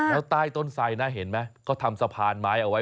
แล้วใต้ต้นไสนะเห็นไหมเขาทำสะพานไม้เอาไว้